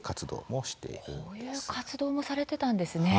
こういう活動もされてたんですね。